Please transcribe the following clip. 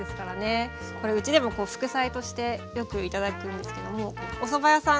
これうちでも副菜としてよく頂くんですけどもおそば屋さん